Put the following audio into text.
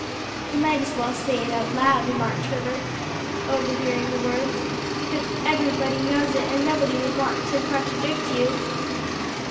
"You might as well say it out loud," remarked Herbert, overhearing the words, "because everybody knows it and nobody would want to contradict you."